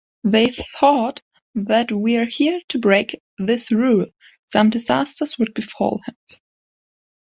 They thought that, we’re here to break this rule, some disaster would befall him.